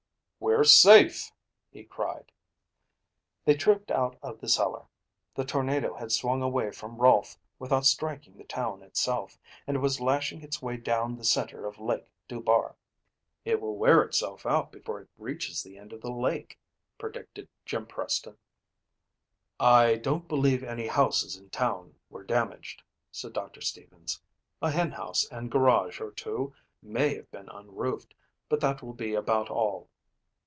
"We're safe!" he cried. They trooped out of the cellar. The tornado had swung away from Rolfe without striking the town itself and was lashing its way down the center of Lake Dubar. "It will wear itself out before it reaches the end of the lake," predicted Jim Preston. "I don't believe any houses in town were damaged," said Doctor Stevens. "A hen house and garage or two may have been unroofed but that will be about all."